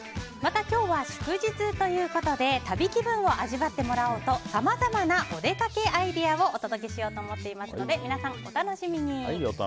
今日は祝日ということで旅気分を味わってもらおうとさまざまなお出かけアイデアをお届けしようと思っていますので皆さん、お楽しみに。